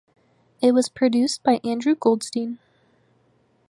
It was produced by Andrew Goldstein.